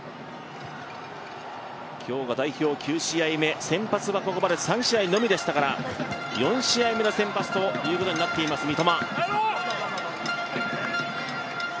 今日が代表９試合目、先発は今日まで３試合のみですから、４試合目の先発ということになっています三笘。